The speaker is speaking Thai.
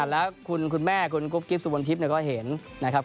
แล้วคุณแม่คุณกุ๊บกิ๊บสุมนทิพย์ก็เห็นนะครับ